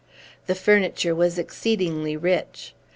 The furniture was exceedingly rich.